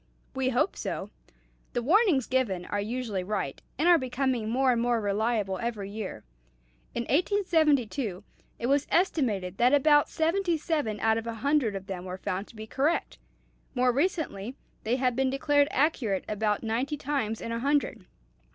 "We hope so. The warnings given are usually right, and are becoming more and more reliable every year. In 1872 it was estimated that about seventy seven out of a hundred of them were found to be correct; more recently they have been declared accurate about ninety times in a hundred.